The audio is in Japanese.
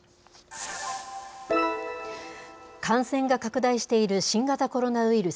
感染が拡大している新型コロナウイルス。